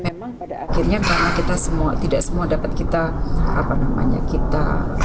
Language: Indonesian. memang pada akhirnya benar kita semua tidak sempat berdiri di sini dan agendanya sangat tetap tetap